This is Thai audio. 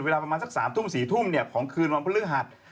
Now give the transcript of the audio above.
เวลาประมาณสัก๓๔ทุ่มของคืนวันพระเรื่องหัด